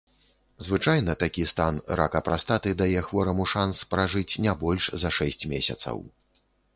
Звычайна такі стан рака прастаты дае хвораму шанс пражыць не больш за шэсць месяцаў.